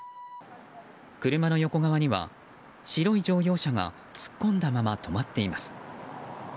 車の横側には白い乗用車が突っ込んだまま止まっています。